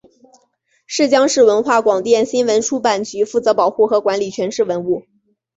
内江市文化广电新闻出版局负责保护和管理全市文物。